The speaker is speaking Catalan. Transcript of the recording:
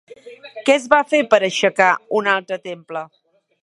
Què es va fer per aixecar un altre temple?